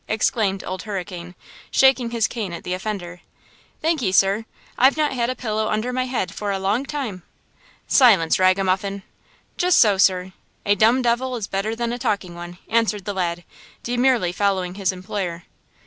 exclaimed Old Hurricane, shaking his cane at the offender. "Thanky, sir! I've not had a pillow under my head for a long time.! "Silence, ragamuffin!" "Just so, sir! 'a dumb devil is better than a talking one!' " answered the lad, demurely following his employer.